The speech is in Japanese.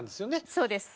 そうです。